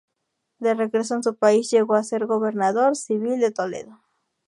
De regreso en su país llegó a ser gobernador civil de Toledo.